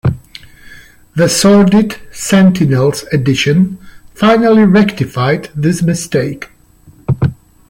The Sordid Sentinels Edition finally rectified this mistake.